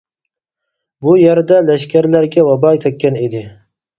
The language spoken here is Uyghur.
بۇ يەردە لەشكەرلەرگە ۋابا تەككەن ئىدى.